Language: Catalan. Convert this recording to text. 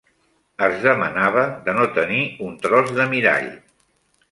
Es demanava de no tenir un tros de mirall